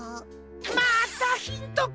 またヒントか！